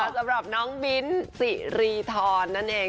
สำหรับน้องบิ้นสิริธรนั่นเอง